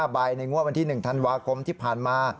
ใบในงวดวันที่๑ธันวาคมที่ผ่านมา